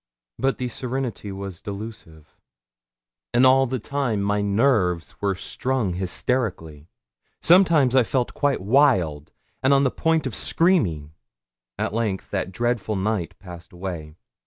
But the serenity was delusive, and all the time my nerves were strung hysterically. Sometimes I felt quite wild, and on the point of screaming. At length that dreadful night passed away.